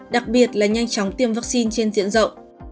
đặc biệt là nhanh chóng tiêm vaccine trên diện rộng